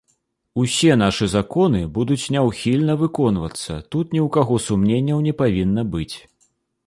Усе нашы законы будуць няўхільна выконвацца, тут ні ў каго сумненняў не павінна быць.